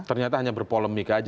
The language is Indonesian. ternyata hanya berpolemik aja